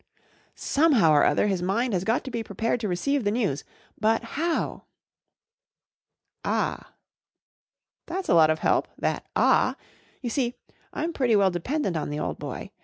Somehow or oilier his mind has got to be prepared to receive the news. But how ?" 41 Ah !"" That's a lot of help, that 1 ah '! You see. I'm pretty well dependent on the old boy.